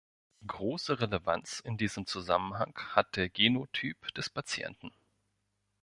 Große Relevanz in diesem Zusammenhang hat der Genotyp des Patienten.